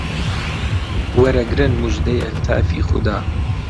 وەرئەگرن موژدەی ئەلتافی خودا